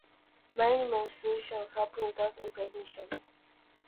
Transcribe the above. Many menstruations happen without impregnation.